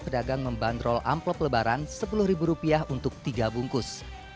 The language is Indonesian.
pedagang membandrol amplop lebaran sepuluh ribu rupiah untuk tiga bungkus